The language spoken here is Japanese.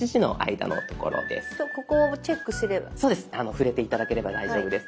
触れて頂ければ大丈夫です。